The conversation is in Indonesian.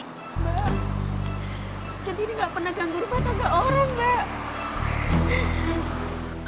mbak centini nggak pernah ganggu rumah tangga orang mbak